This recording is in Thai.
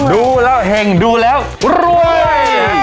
ดูแล้วเห็งดูแล้วรวย